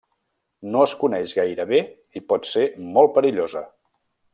No es coneix gaire bé i pot ser molt perillosa.